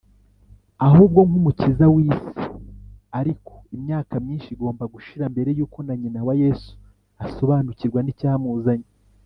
, ahubwo nk’Umukiza w’isi. Ariko imyaka myinshi igomba gushira mbere yuko na nyina wa Yesu asobanukirwa n’icyamuzanye